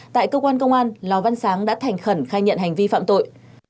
tại cơ quan công an lò văn sáng đã thành khẩn khai nhận hành vi phạm tội